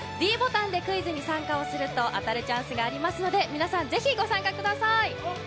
ｄボタンでクイズに参加すると当たるチャンスがありますので皆さんぜひ御参加ください。